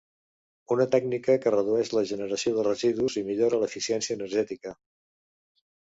Una tècnica que redueix la generació de residus i millora l’eficiència energètica.